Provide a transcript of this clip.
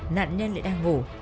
nạn nhân lại đang ngủ